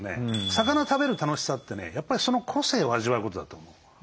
魚食べる楽しさってねやっぱりその個性を味わうことだと思う。